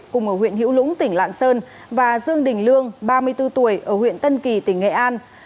cùng ở huyện hiểu lũng tỉnh lạng sơn và dương đình lương ba mươi bốn tuổi ở huyện tân kỳ tỉnh nghệ an